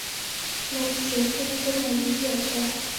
دا د سیاسي عنصر موجودیت ده.